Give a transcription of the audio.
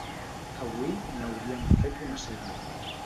Avui n'haurien fet una sèrie.